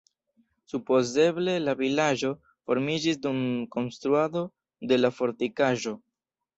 Supozeble la vilaĝo formiĝis dum konstruado de la fortikaĵo.